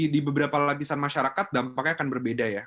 di beberapa lapisan masyarakat dampaknya akan berbeda ya